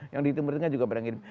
yang di timur timur juga pada ngirim